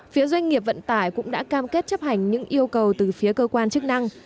phía doanh nghiệp vận tải cũng đã cam kết chấp hành những yêu cầu từ phía cơ quan chức năng